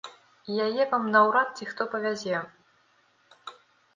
І яе вам наўрад ці хто павязе.